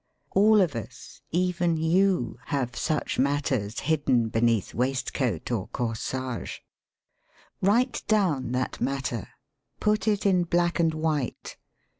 All of us — even you — have such mat ters hidden beneath waistcoat or corsage. Write down that matter; put it in black and white.